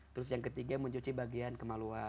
terus yang ketiga mencuci bagian kemaluan